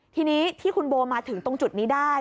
ทีนี้ที่คุณโบมาถึงตรงจุดนี้ได้